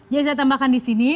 jadi saya tambahkan disini